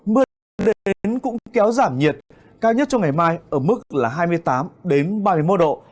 mưa đến cũng kéo giảm nhiệt cao nhất trong ngày mai ở mức là hai mươi tám ba mươi một độ